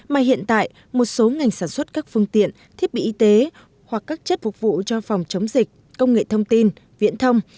mà hiện tại một số ngành sản xuất các phương tiện thiết bị y tế hoặc các chất phục vụ cho phòng chống dịch công nghệ thông tin viễn thông